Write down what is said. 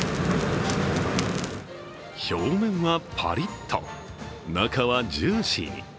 表面はパリッと中はジューシーに。